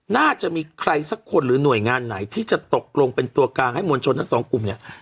น่าจะมีใครสักคนหรือหน่วยงานไหนที่จะตกลงเป็นตัวกลางให้มวลชนทั้งสองกลุ่มเนี่ย